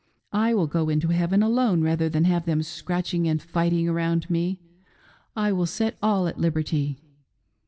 I will go into heaven alone rather than have them scratching and fighting around me. I will set all at liberty.